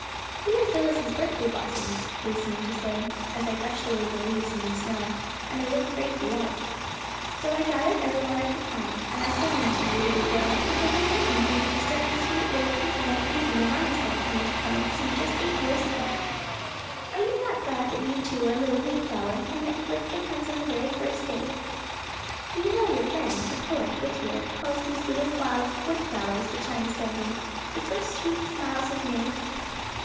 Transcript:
''' We are Phyllis 's birthday blossoms/ they seemed to say, as I brushed away the leaves and the snow, and they looked bravely out. ^^ So I gathered every one I could find; and I send them to you, little girl, because they make me think of a certain sweet little pink and white baby your mamma sent for me to come and see just eight years ago. " Are you not glad that you, too, are a little Mayflower, and that your birthday comes on the very first day? " You know% your friend, the poet, Whittier, calls these little wild wood flowers which I am sending ' The first sweet smiles of May